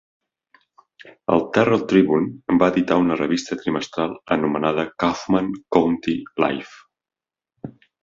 El "Terrell Tribune" va editar una revista trimestral anomenada "Kaufman County Life".